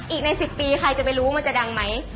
อีกใน๑๐ปีใครจะไปรู้มันจะดังไหม